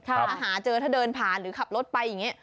ถ้าหาเจอถ้าเดินผ่านหรือขับรถไปอย่างนี้